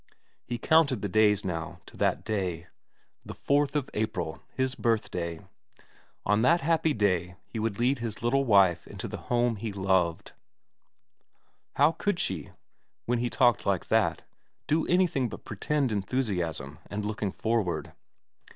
He counted the days now to that day. The 4th of April ; his birthday ; on that happy day he would lead his little wife into the home he loved. How could she, when he talked like that, do anything but pretend enthusiasm and looking forward